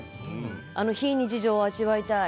あの非日常を味わいたい。